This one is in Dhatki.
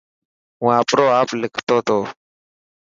هون آپرو آپ لکتو ٿو.